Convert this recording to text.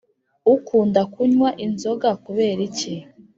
ukunda kunywa inzoga kuberiki